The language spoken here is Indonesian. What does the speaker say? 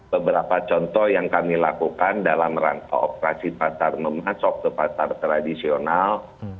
beberapa contoh yang kami lakukan dalam rangka operasi pasar memasok ke pasar tradisional